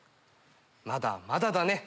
まだまだだね